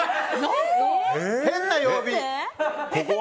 変な曜日！